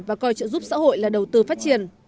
và coi trợ giúp xã hội là đầu tư phát triển